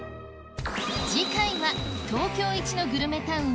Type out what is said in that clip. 次回は東京イチのグルメタウン